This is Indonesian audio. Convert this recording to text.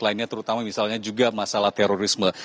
lainnya terutama misalnya juga masalah terorisme